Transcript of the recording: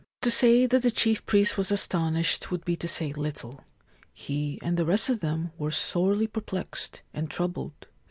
To say that the chief priest was astonished would be to say little. He and the rest of them were sorely perplexed and troubled.